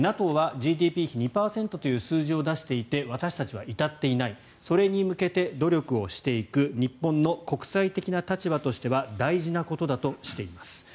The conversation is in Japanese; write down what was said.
ＮＡＴＯはＧＤＰ比２％という数字を出していて私たちは至っていないそれに向けて努力をしていく日本に国際的な立場としては大事なことだとしています。